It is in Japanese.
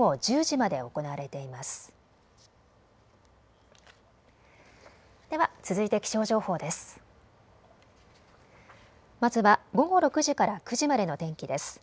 まずは午後６時から９時までの天気です。